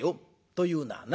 というのはな